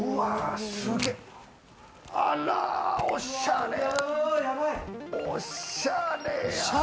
あら、おしゃれ。